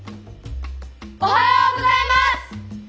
おはようございます！